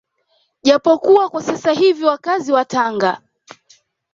Japo kuwa kwa sasa hivi wakazi wa Tanga